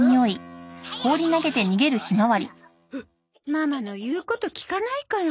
ママの言うこと聞かないから。